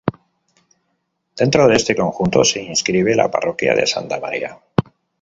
Dentro de este conjunto se inscribe la Parroquia de Santa María.